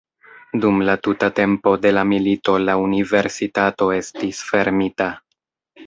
Dum la tuta tempo de la milito la universitato estis fermita.